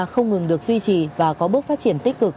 không ngừng được duy trì và có bước phát triển tích cực